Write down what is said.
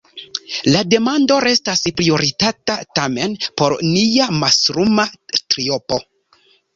La demando restas prioritata, tamen, por nia mastruma triopo.